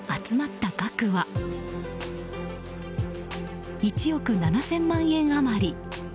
集まった額は１億７０００万円余り。